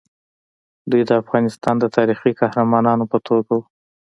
دوی د افغانستان د تاریخي قهرمانانو په توګه وو.